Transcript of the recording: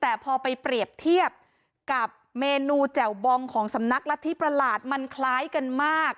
แต่พอไปเปรียบเทียบกับเมนูแจ่วบองของสำนักรัฐธิประหลาดมันคล้ายกันมาก